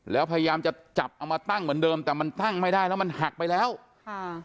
แล้วพยายามจะจับเอามาตั้งเหมือนเดิมแต่มันตั้งไม่ได้แล้วมันหักไปแล้วค่ะ